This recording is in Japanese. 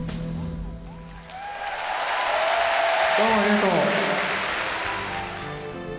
どうもありがとう！